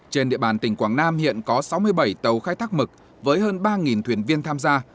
trên địa bàn tỉnh quảng nam hiện có sáu mươi bảy tàu khai thác mực với hơn ba thuyền viên tham gia